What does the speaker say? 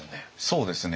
そうですね。